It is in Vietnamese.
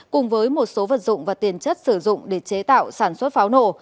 cùng với một số vật dụng và tiền chất sử dụng để chế tạo sản xuất pháo nổ